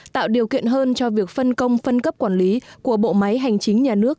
tạo điều kiện hơn cho việc phân công phân cấp quản lý của bộ máy hành chính nhà nước